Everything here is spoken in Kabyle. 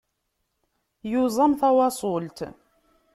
Yuẓam tawaṣult.